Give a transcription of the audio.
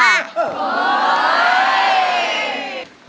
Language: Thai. ไม่